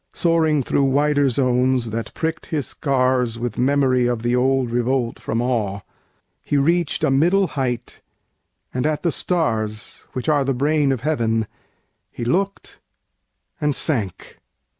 Soaring through wider zones that prick'd his scars With memory of the old revolt from Awe, 10 He reach'd a middle height, and at the stars, Which are the brain of heaven, he look'd, and sank.